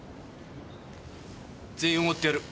全員おごってやる。